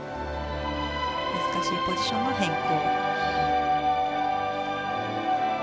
難しいポジションの変更。